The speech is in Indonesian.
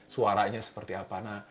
suaranya seperti apa